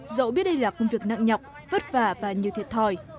dẫu biết đây là công việc nặng nhọc vất vả và nhiều thiệt thòi